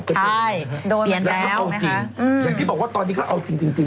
ใช่โดนแล้วแล้วเขาจริงอย่างที่บอกว่าตอนนี้เขาเอาจริง